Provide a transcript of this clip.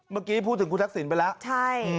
เมื่อกี้พูดถึงคุณทักษิณไปแล้วใช่